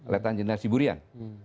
letan jeneral siburian